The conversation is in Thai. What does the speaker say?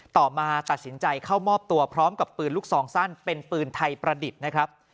ต่อมาตัดสินใจเข้ามอบตัวพร้อมกับปืนลูกซองสั้นเป็นปืนไทยประดิษฐ์นะครับ